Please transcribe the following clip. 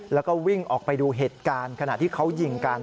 แล้วก็วิ่งออกไปดูเหตุการณ์ขณะที่เขายิงกัน